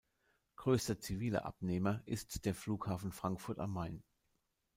Größter ziviler Abnehmer ist der Flughafen Frankfurt am Main.